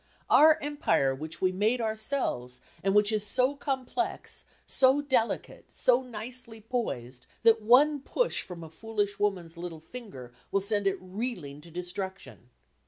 Our Empire which we made ourselves and which is so complex, so delicate, so nicely poised, that one push from a foolish woman's little finger will send it reeling to destruction."